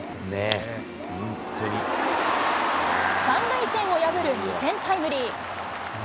３塁線を破る２点タイムリー。